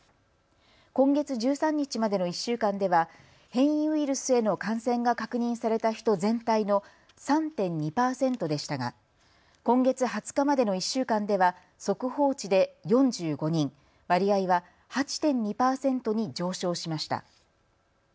今月１３日までの１週間では変異ウイルスへの感染が確認された人全体の３．２％でしたが今月２０日までの１週間では速報値で４５人、割合は８．２％に上昇しました。